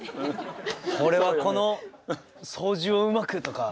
俺はこの操縦をうまく！とか。